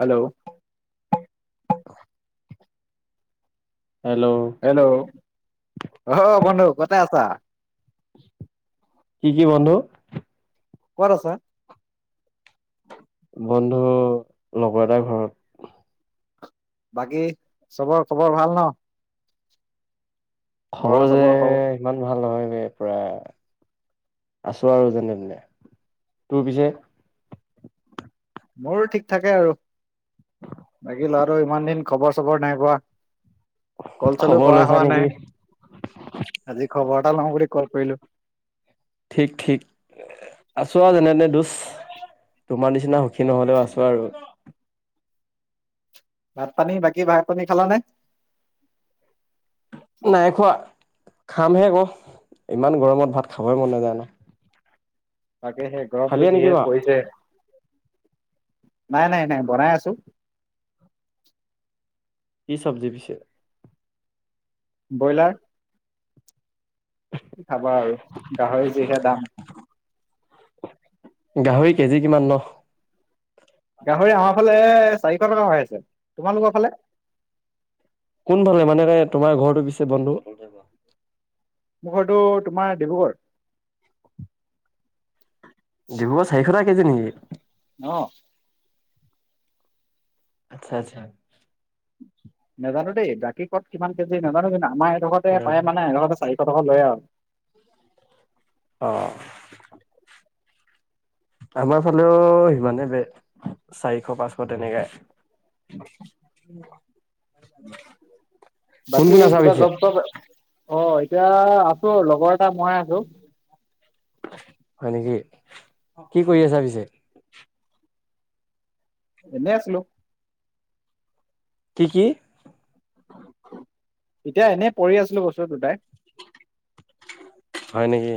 হাল্ল'! Hello! Hello! অ', বন্ধু ক'তে আছা? কি, কি বন্ধু? ক'ত আছা? বন্ধু, লগৰ এটা ঘৰত। বাকী চবৰ খবৰ ভাল ন? ঘৰৰ খবৰ যে চবৰ খবৰ ইমান ভাল নহয় বে প্ৰায়। আছোঁ আৰু যেনে-তেনে। তোৰ পিছে? মোৰো ঠিক থাকে আৰু। বাকী ল'ৰাটো ইমান দিন খবৰ চবৰ নাই পোৱা! কল চ'লো খবৰ কৰা লৈছা হোৱা নেকি নাই, আজি খবৰ এটা লওঁ বুলি কল কৰিলোঁ! ঠিক, ঠিক। আছোঁ আৰু যেনে তেনে দোচ! তোমাৰ নিচিনা সুখী নহ'লেও আছোঁ আৰু। ভাত পানী, বাকী ভাত পানী খালানে? নাই খোৱা, খামহে আকৌ, ইমান গৰমত ভাত খাবই মন নযায় না। তাকেহে গৰমটো খালিয়ে নেকি যিহে বা পৰিছে। নাই নাই নাই বনাই আছোঁ। কি চব্জি পিছে? ব্ৰইলাৰ। কি খাবা আৰু, গাহৰি যিহে দাম। গাহৰি কেজি কিমান ন'? গাহৰি আমাৰ ফালে চাৰিশ টকা হৈ আছে। তোমালোকৰ ফালে? কোন ফালে, মানে তোমাৰ ঘৰটো পিছে বন্ধু? মোৰ ঘৰটো তোমাৰ ডিব্ৰুগড়। ডিব্ৰুগড় চাৰিশ টকা কেজি নেকি? অ'। আচ্ছা আচ্ছা। নাজানো দেই, বাকী ক'ত কিমান কেজি নাজানো কিন্তু আমাৰ এডুখতে পাই মানে এডখকে চাৰিশ টকা লয় আৰু। [inaudible] অ'। আমাৰফালেও সিমানে বে। চাৰিশ, পাঁচশ তেনেকাই। বাকী কিবা জব চপ, অ' এতিয়া আছোঁ, লগৰ এটা মই আছোঁ। হয় নেকি, কি কৰি আছা পিছে? এনে আছিলোঁ। কি কি? এতিয়া এনেই পৰি আছিলোঁ বস্তু দুটাই। হয় নেকি,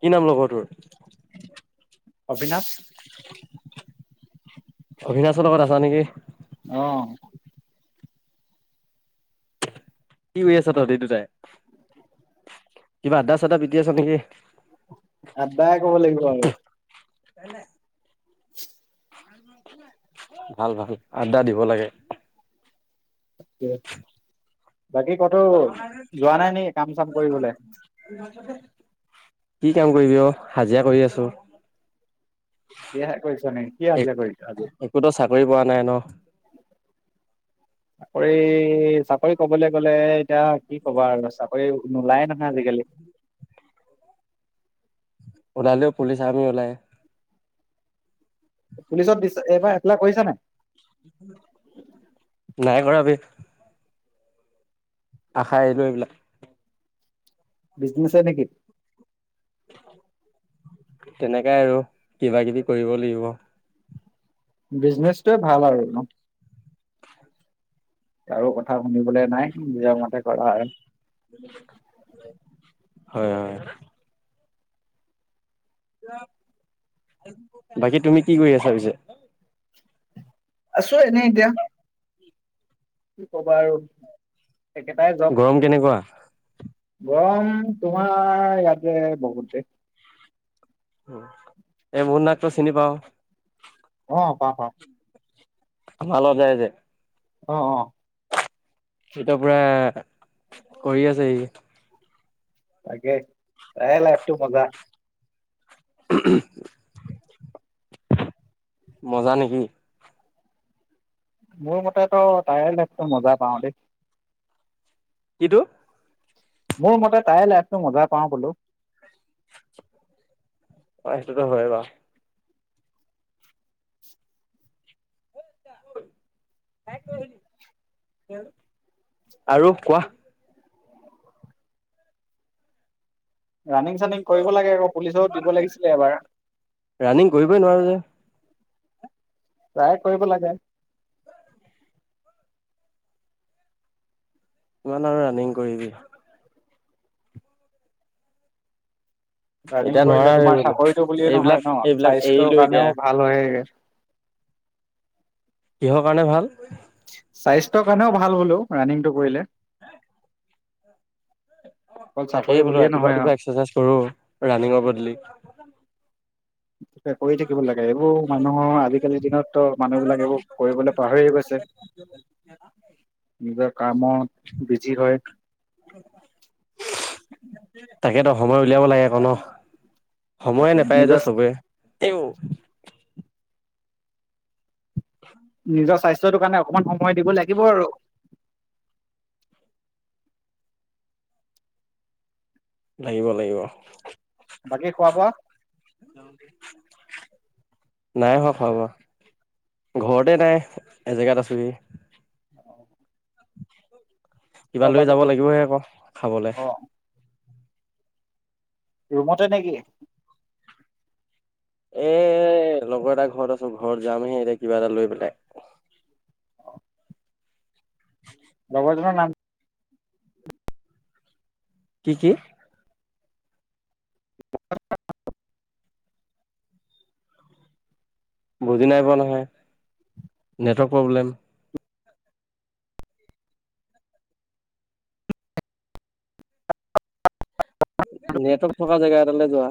কি নাম লগৰটোৰ? অবিনাশ। অবিনাশৰ লগত আছা নেকি? অ'। কি কৰি আছ তহঁতে দুটাই? কিবা আড্ডা চাড্ডা পিতি আছ নেকি? আড্ডাই ক'ব লাগিব আৰু। [inaudible] ভাল ভাল, আড্ডা দিব লাগে। বাকী ক'তো যোৱা নাই নেকি কাম চাম কৰিবলে? কি কাম কৰিবি আৰু, হাজিৰা কৰি আছোঁ। কিহে কৰিছ নেকি, কি হাজিৰা কৰিছ আজি? ক'তো চাকৰি পোৱা নাই ন'। চাকৰি, চাকৰি কবলৈ গ'লে এতিয়া কি ক'বা আৰু চাকৰি নোলায় নহয় আজিকালি। ওলালেও পুলিচ আৰ্মি ওলায়। পুলিচত দি এইবাৰ এপ্লাই কৰিছা নাই? নাই কৰা বে। আশা এৰিলোঁ এইবিলাক। বিজনেছত নেকি? তেনেকাই আৰু কিবা কিবি কৰিব লাগিব। বিজনেচটোয়ে ভাল আৰু ন'? কাৰো কথা শুনিবলৈ নাই, নিজৰ মতে কৰা হয়। হয় হয়। বাকী তুমি কি কৰি আছা পিছে? আছোঁ এনেই এতিয়া। কি কবা আৰু একেটাই জৱ। গৰম কেনেকুৱা গম তোমাৰ ইয়াতে বহুত [unintelligible] এই মোৰ নাকটো চিনি পাওঁ। অ', পাওঁ, পাওঁ। ভাল যায় যে অ', অ'। সি ট পুৰা কৰি আছে সি। তাকে তাৰে লাইফ টো মজা। [unintelligible] মজা নেকি। মোৰ মতেতো তাই লাইফতো মজা পাওঁ দেই। কিটো? মোৰ মতে তাই লাইফটো মজাই পাওঁ বোলো। হয় সেটো হয় বাৰু। আৰু কোৱা। ৰানিং চানিং কৰিব লাগে আকৌ পুলিচো দিব লাগিছিলে এবাৰ। ৰানিং কৰিবই নোৱাৰো যে। ট্ৰাই কৰিব লাগে। কিমান আৰু ৰানিং কৰিবি। ৰাণিং এতিয়া কৰিলে নোৱাৰা হৈ তোমাৰ গলো চাকৰিতটো বুলিয়ে এইবিলাক নহয় ন এইবিলাক এৰিলো স্বাস্থ্যয়ৰ এতিয়া কাৰণেও ভাল হয়। কিহৰ কাৰণে ভাল। স্বাস্থ্যৰ কাৰণেও ভাল বুলো ৰাণিংটো কৰিলে। অকল চাকৰি তাকেই বোলো বুলিয়ে ৰাতিপুৱা, নহয় আৰু ৰাতিপুৱা এক্সাৰচাইজ কৰো ৰাণিংৰ বদলি কৰি থাকিব লাগে এইবোৰ মানুহৰ আজিকালিৰ দিনততো মানুহ বিলাক এইবোৰ কৰিবলৈ পাহৰিয়েই গৈছে। [unintelligible] নিজৰ কামত বিজি হয়। তাকেতো সময় উলিয়াব লাগে আকৌ ন। সময়ে তাকে নাপায় যে নিজৰ চবে এই [inaudible] নিজৰ স্বাস্থ্যটোৰ কাৰণে অকণমান সময় দিব লাগিব আৰু। লাগিব, লাগিব। বাকি খোৱা বোৱা? নাই হো খোৱা বোৱা। ঘৰতে নাই এজেগাত আছো। [inaudible] কিবা খোৱা লৈ যাব বোৱাটো লাগিবহে আকৌ খাবলৈ। অ ৰুমতে নেকি। এ লগৰ এটা ঘৰত আছোঁ ঘৰত যামহে এতিয়া কিবা এটা লৈ পেলাই লগৰজনৰ নাম কি? কি, কি? [unintelligible] বুজি নাই পোৱা নহয় নেটৱৰ্ক প্ৰব্লেম। নেটৱৰ্ক থকা জেগা এটালে যোৱা।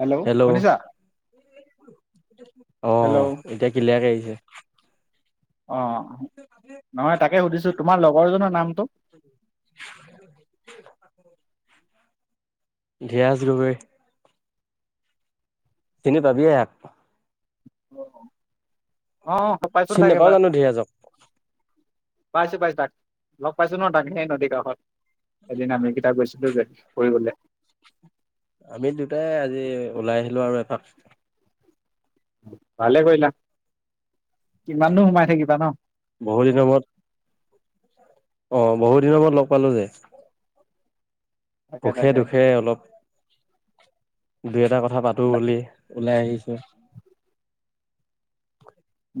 হেল্ল' শুনিছা। হেল্ল' অ', এতিয়া ক্লিয়াৰ আহিছে। অ', নহয় তাকে সুধিছোঁ তোমাৰ লগৰজনৰ নামটো উ [unintelligible] ধিয়াজ গগৈ। চিনি পাবিয়ে ইয়াক। অহ পাইছোঁ চিনি তাক নাপাও এবাৰ। জানো ধীৰাজক পাইছো পাইছো তাক, লগ পাইছো ন তাক সেই নদী কাষত। এদিন আমি কেইটা গৈছিলো যে, ফুৰিবলৈ। আমি দুটাই আজি ওলাই আহিলো আৰু এপাক। ভালে কৰিলা, কিমাননো সোমাই থাকিবা ন। বহুদিন মোৰত। অ' বহুত দিনৰ মূৰত লগ পালো যে। তাকে সুখে তাকে দুখে অলপ দুই এটা কথা পাতো বুলি, ওলাই আহিছো।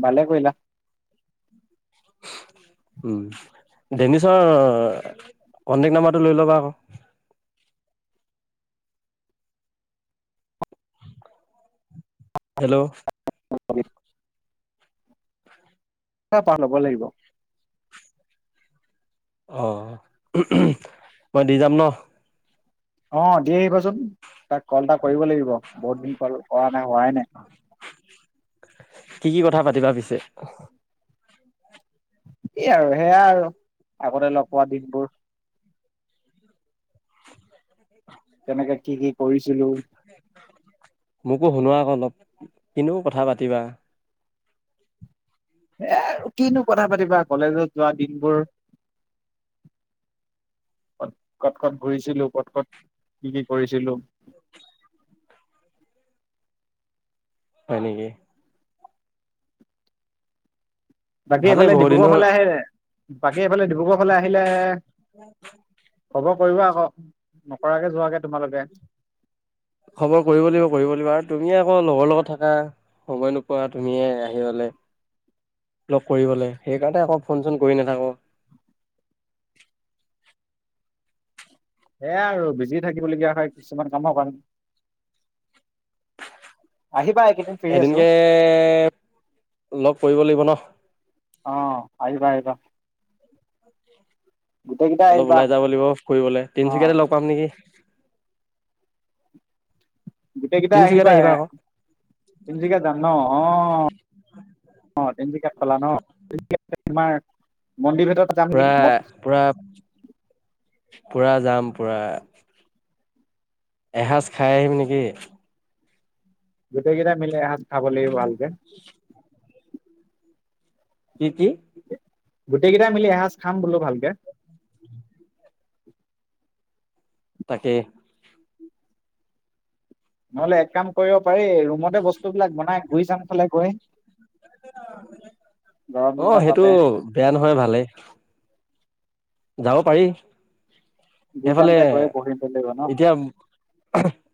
ভালে কৰিলা। উম, ডেনিছৰ কন্টেক্ট নাম্বৰটো লৈ ল'বা আকৌ। হেল্ল' [unintelligible] পা ল'ব লাগিব। অ' মই দি যাম ন। অ' দি আহিবাচোন, তাক কল এটা কৰিব লাগিব, বহুত দিন কল কৰা নাই, হোৱাই নাই। কি কি কথা পাতিলা পিছে? কি আৰু সেয়াই আৰু আগতে লগ পোৱা দিনবোৰ। [inaudible] কেনেকে কি কি কৰিছিলো। মোকো শুনোৱা আকৌ অলপ, কিনো কথা পাতিলা। এ কিনো কথা পাতিবা, কলেজত যোৱা দিনবোৰ। কত, কত কত ঘূৰিছিলো, কত কত, কি কি কৰিছিলো। হয় নেকি। বাকী ভালেই এইফালে বহু ডিব্ৰুগড় দিনৰ ফালে আহে নাই, এইফালে ডিব্ৰুগড় অকলে আহিলে, খবৰ কৰিবা আকৌ, নকৰাকে যোৱাগে তোমালোকে। খবৰ কৰিব লাগিব, কৰিব লাগিব, আৰু তুমিয়ে আকৌ লগৰ লগত থাকা। সময় নোপোৱা, তুমিয়ে আহিবলে। লগ কৰিবলৈ, সেইকাৰণে আকৌ ফোন চোন কৰি নাথাকোঁ। সেয়া আৰু, বিজি থাকিব লগীয়া হয় কিছুমান কামৰ কাৰণে। আহিবা এক এদিনকে, লগ কৰিব লাগিব ন। অ' আহিবা আহিবা। গোটেই কেইটাই অলপ আহিবা ওলাই যাব লাগিব ফুৰিবলৈ, অ তিনিচুকীয়াতে লগ পাম নেকি। গোটেই কেইটা তিনচুকীয়াতে আহিবা, আকৌ তিনচুকীয়া যাম ন অ'। অ' তিনিচুকীয়াত খলা ন, [unintelligible] তোমাৰ মন্দিৰ ভিতৰত যাম নেকি পুৰা, পুৰা, পুৰা যাম, পুৰা। এসাঁজ খাই আহিম নেকি। গোটেইকেইটা মিলি এসাজ খাব লাগিব ভালকে। কি কি? গোটেইকেইটা মিলি এসাঁজ খাম বোলো ভালকে। তাকে। নহলে এক কাম কৰিব পাৰি, ৰুমতে বস্তুবলাক বনাই ঘূৰি চাম খালে গৈ গৰম অ দিনত সেইটো তাতে। বেয়া নহয় ভালেই। যাব পাৰি, গুইজান সেইফালে, তাত গৈ বহিব লাগিব ন এতিয়া‌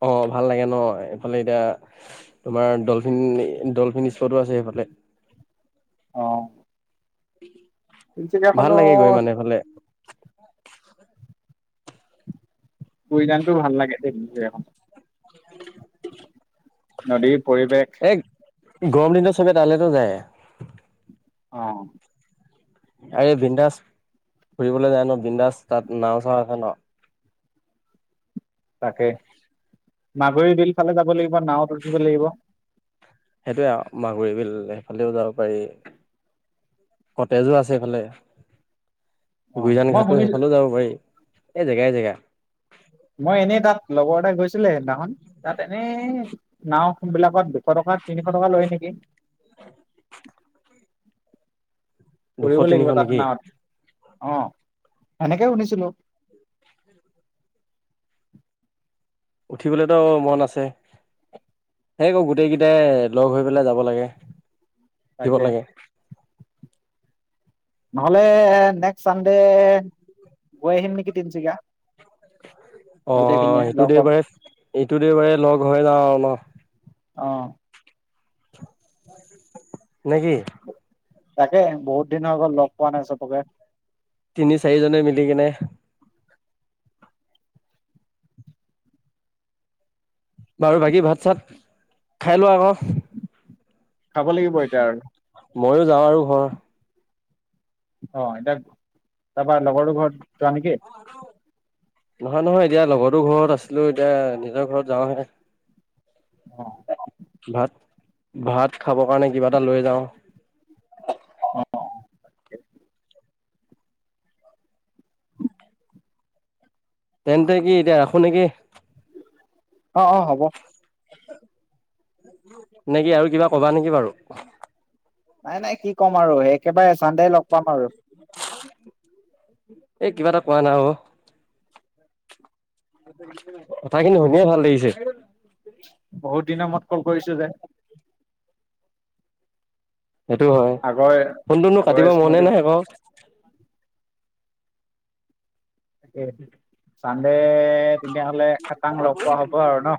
অ', ভাল লাগে ন এইফালে এতিয়া তোমাৰ ডলফিন, ডলফিন স্পতো আছে সেইফালে। অ'। ভাল লাগে গৈ মানে [unintelligible] এইফালে বুই যানটো ভাল লাগে [unintelligible] [inaudible] নদীৰ পৰিৱেশ এই গৰম দিনত চবে তালেতো যায়। অ'। আৰে বিন্দাস ফুৰিবলৈ যায় ন' বিন্দাস তাত নাও-চাও আছে ন'। তাকে মাগুৰি বিল ফালে যাব লাগিব নাৱত উঠিব লাগিব। সেইটোৱে আৰু মাগুৰী বিল সেইফালেও যাব পাৰি। কটেজো আছে সেইফালে। অঁ গুইজান মই ঘাটটো শুনিছোঁ সেইফালেও যাব পাৰি এই জেগাই জেগা। মই এনেই তাত লগৰ এটা গৈছিলে সেইদিনাখন তাত এনেই নাও বিলাকত দুশ টকাত তিনিশ টকা লয় নেকি? [unintelligible] দুশ কৰিব তিনিশ লাগিব তাত নেকি নাৱত অ', সেনেকে শুনিছিলো। উঠিবলৈতো মন আছে। সেইকৌ গোটেই কেইটাই লগ হৈ পেলাই যাব লাগে, উঠিব তাকে লাগে। ন'হলে নেক্সট চানডে গৈ আহিম নেকি তিনচুকীয়া। অ', গোটেইখিনিয়ে সেটো লগ হম দেওবাৰে ইটো দেওবাৰে লগ হৈ যাওঁ ন'। অ'। নে কি? তাকে বহুত দিন হৈ গ'ল লগ পোৱা নাই চবকে। তিনি চাৰিজনে মিলি কিনে বাৰু বাকী ভাত-চাত খাই লোৱা আকৌ। খাব লাগিব এতিয়া আৰু। মইো যাওঁ আৰু ঘৰ। অ', এতিয়া তাৰপা লগৰটো ঘৰত যোৱা নেকি? নহয়, নহয়, এতিয়া লগৰটো ঘৰত আছিলো এতিয়া নিজৰ ঘৰত যাওঁহে। অ'। ভাত ভাত খাব কাৰণে কিবা এটা লৈ যাওঁ। অ', অ'। [inaudible] তেন্তে কি এতিয়া ৰাখো নেকি? অ', অ', হ'ব। নেকি আৰু কিবা কবা নেকি বাৰু? নাই নাই কি ক'ম, আৰু একেবাৰে চানদে লগ পাম আৰু। এ কিবা এটা কোৱা নাই অ'। কথাখিনি শুনিয়ে ভাল লাগিছে। বহুত দিনৰ মূৰত ক'ল কৰিছো যে। [inaudible] সেইটো হয়, আগৰ ফোনটোনো আগৰ কাটিব মনে নাই স্মৃতি আকৌ। তাকে চানদে তেতিয়াহলে খাটাং লগ পোৱা হ'ব আৰু ন'?